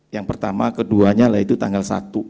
yang pertama keduanya yaitu tanggal satu